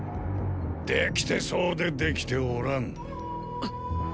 できてそうでできておらぬ。